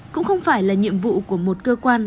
cũng không phải là nhiệm vụ của một cơ quan